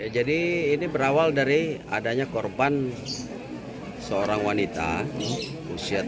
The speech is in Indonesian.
jadi ini berawal dari adanya korban seorang wanita usia tujuh belas